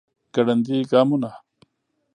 ګړندي ګامونه